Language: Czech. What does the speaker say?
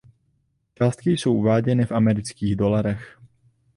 Částky jsou uváděny v amerických dolarech.